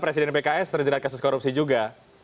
presiden pks terjerat kasus korupsi juga